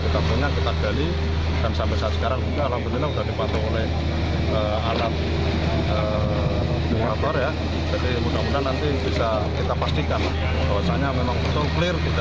jadi mudah mudahan nanti bisa kita pastikan bahwasannya memang itu clear